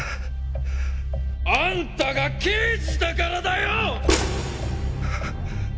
あんたが刑事だからだよ！